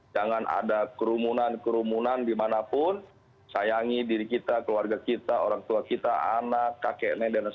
jangan ada kerumunan kerumunan dimanapun sayangi diri kita keluarga kita orang tua kita anak kakek nenek